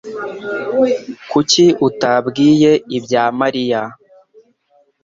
Kuki utabwiye ibya Mariya?